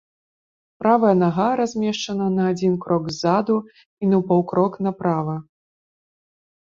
Правая нага размешчана на адзін крок ззаду і на паўкрок направа.